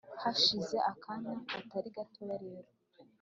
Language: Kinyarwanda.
hashize akanya katari gatoya rero,